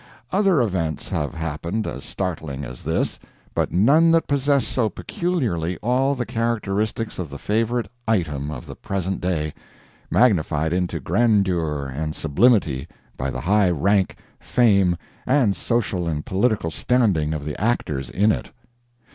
Other events have happened as startling as this, but none that possessed so peculiarly all the characteristics of the favorite "item" of the present day, magnified into grandeur and sublimity by the high rank, fame, and social and political standing of the actors in it.